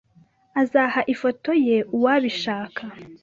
Azaha ifoto ye uwabishaka.